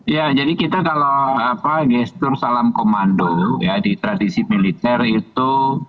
ya jadi kita kalau gestur salam komando ya di tradisi militer itu